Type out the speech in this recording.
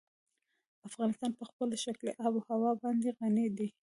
افغانستان په خپله ښکلې آب وهوا باندې غني دی.